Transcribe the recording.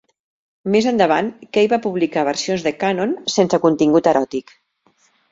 Més endavant, Key va publicar versions de "Kanon" sense contingut eròtic.